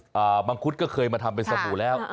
เปลือกมังคุตก็เคยมาทำเป็นสบู่แล้ว